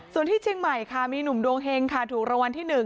ส่วนที่เชียงใหม่ค่ะมีหนุ่มดวงเฮงค่ะถูกรางวัลที่๑